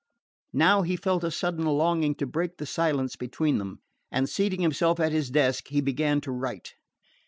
Now he felt a sudden longing to break the silence between them, and seating himself at his desk he began to write.